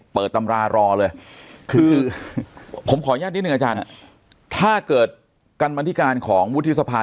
ตำรารอเลยคือผมขออนุญาตนิดนึงอาจารย์ถ้าเกิดการบรรธิการของวุฒิสภา